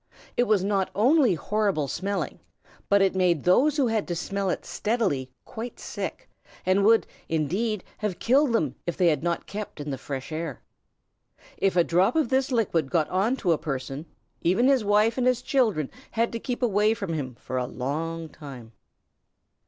It was not only horrible smelling, but it made those who had to smell it steadily quite sick, and would, indeed, have killed them if they had not kept in the fresh air. If a drop of this liquid got on to a person, even his wife and children had to keep away from him for a long time.